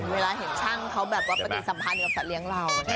เวลาเห็นช่างเขาแบบว่าปฏิสัมพันธ์กับสัตว์เลี้ยงเรา